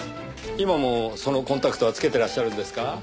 今もそのコンタクトはつけてらっしゃるんですか？